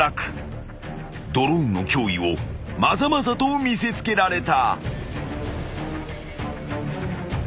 ［ドローンの脅威をまざまざと見せつけられた］